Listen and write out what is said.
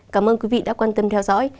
cảm ơn quý vị đã quan tâm theo dõi